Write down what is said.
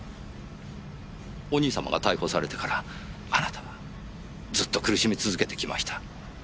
お兄様が逮捕されてからあなたはずっと苦しみ続けてきました。